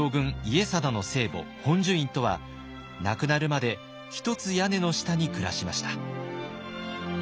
家定の生母本寿院とは亡くなるまで一つ屋根の下に暮らしました。